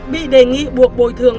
bị đề nghị buộc bồi thường